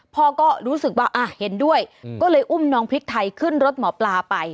พ่อก็รู้สึกว่าเห็นด้วยก็เลยอุ้มน้องพริกไทยขึ้นรถหมอปลาไป